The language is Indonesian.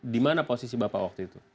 di mana posisi bapak waktu itu